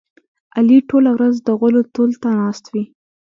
علي ټوله ورځ د غولو تول ته ناست وي.